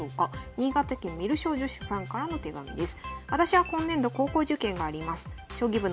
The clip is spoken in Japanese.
新潟県観る将女子さんからの手紙です。